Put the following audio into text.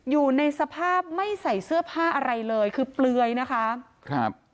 อยู่ในสภาพไม่ใส่เสื้อผ้าอะไรเลยคือเปลือยนะคะครับ